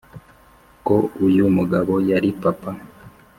ko uyu mugabo yari papa